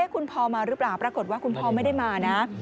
คุณพอมาหรือเปล่าปรากฏว่าคุณพ่อไม่ได้มานะ